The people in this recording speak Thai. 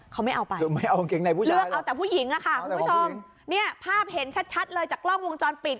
เขาไม่เอาไปเหลือเอาแต่ผู้หญิงอะค่ะคุณผู้ชมเนี้ยภาพเห็นชัดชัดเลยจากกล้องวงจรปิด